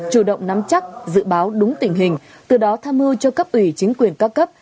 chủ động nắm chắc dự báo đúng tình hình từ đó tham mưu cho cấp ủy chính quyền cao cấp